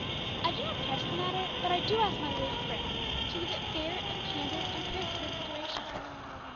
I do not press the matter, but I do ask my lady friends to give it fair and candid and prayerful consideration.